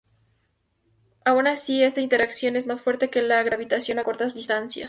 Aun así esta interacción es más fuerte que la gravitación a cortas distancias.